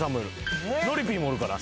のりピーもおるから。